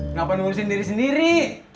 kenapa ngurusin diri sendiri